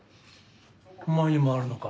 お前にもあるのか。